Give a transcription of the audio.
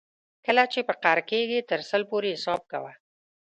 کله چې په قهر کېږې تر سل پورې حساب کوه.